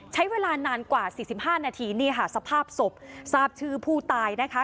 ใช้เวลานานกว่า๔๕นาทีเนี่ยค่ะสภาพศพสาบถือผู้ตายนะคะ